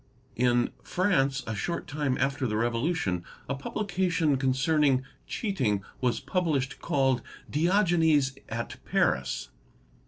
In France, a short time after the Revolution, a publication concerning cheating was published called "' Diogenes at Paris".